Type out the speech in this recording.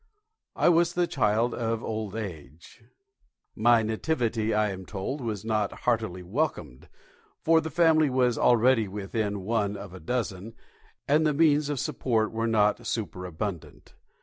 I was the child of old age. My nativity, I am told, was not heartily welcomed, for the family was already within one of a dozen, and the means of support were not superabundant.